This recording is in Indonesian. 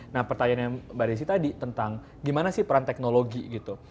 nah pertanyaan yang mbak desi tadi tentang gimana sih peran teknologi gitu